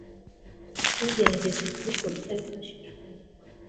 ntugerageze kubikora utabifashijwemo